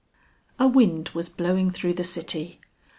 A wind was blowing through the city.